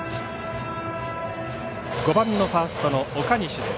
５番のファースト岡西です